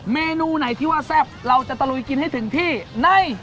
เมนูไหนที่ว่าแซ่บเราจะตะลุยกินให้ถึงที่ใน